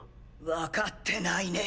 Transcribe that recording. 分かってないね。